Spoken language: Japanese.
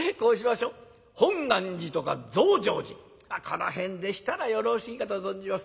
本願寺とか増上寺この辺でしたらよろしいかと存じます。